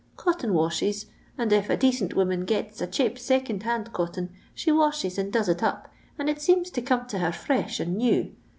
Cotton washes, and if a dacent woman sets a chape second hand cotton, she washes and does it up, and it seems to come to her fresh and new.